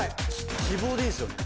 希望でいいんですよね。